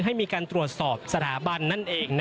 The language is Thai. ให้มีการตรวจสอบสถาบันนั่นเอง